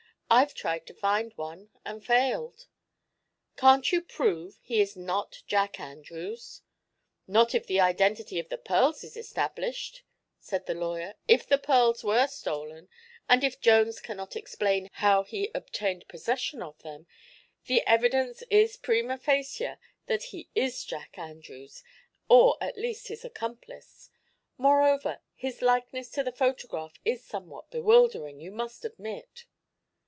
"I've tried to find one and failed." "Can't you prove he is not Jack Andrews?" "Not if the identity of the pearls is established," said the lawyer. "If the pearls were stolen, and if Jones cannot explain how he obtained possession of them, the evidence is prima facia that he is Jack Andrews, or at least his accomplice. Moreover, his likeness to the photograph is somewhat bewildering, you must admit."